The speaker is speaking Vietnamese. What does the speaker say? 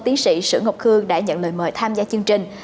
tiến sĩ sử ngọc khương đã nhận lời mời tham gia chương trình